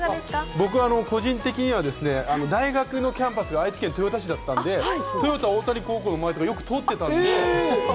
僕は個人的には大学のキャンパスが愛知県豊田市だったので、豊田大谷高校の前をよく通っていたんですよ。